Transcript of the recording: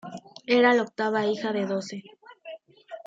Era la octava hija de doce.